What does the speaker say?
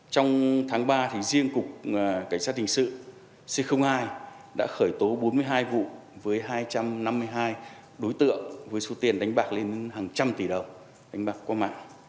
trong tháng ba riêng cục cảnh sát hình sự c hai đã khởi tố bốn mươi hai vụ với hai trăm năm mươi hai đối tượng với số tiền đánh bạc lên hàng trăm tỷ đồng đánh bạc qua mạng